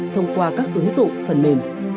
thông qua các ứng dụng phần mềm